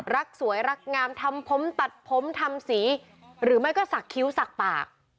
รักสวยรักงามทำผมตัดผมทำสีหรือไม่ก็สักคิ้วสักปาก